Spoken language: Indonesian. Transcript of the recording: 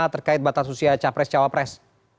terkait batas usia capres cawapres